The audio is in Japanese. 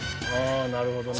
ああなるほどね。